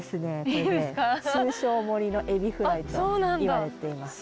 これね通称森のエビフライといわれています。